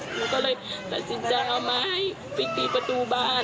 หนูก็เลยตัดสินใจเอาไม้ไปตีประตูบาน